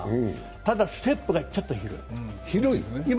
ただ、ステップがちょっと広い。